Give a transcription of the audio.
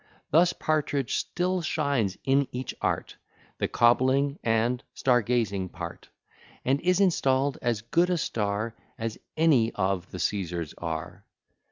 Thus Partridge still shines in each art, The cobbling and star gazing part, And is install'd as good a star As any of the Caesars are.